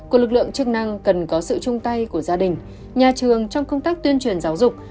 của lực lượng chức năng cần có sự chung tay của gia đình nhà trường trong công tác tuyên truyền giáo dục